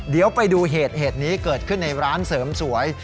เดี๋ยวไปดูเหตุนี้เกิดขึ้นในร้านเสริมสวย